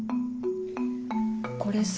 これさ。